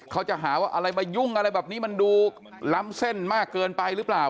เขาจะหาว่าอะไรมายุ่งอะไรแบบนี้มันดูล้ำเส้นมากเกินไปหรือเปล่า